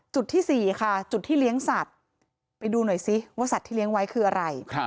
จุดที่๔ค่ะจุดที่เลี้ยงสัตว์ไปดูหน่อยซิว่าสัตว์ที่เลี้ยงไว้คืออะไร